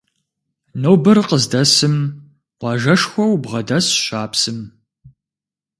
Нобэр къыздэсым къуажэшхуэу бгъэдэсщ а псым.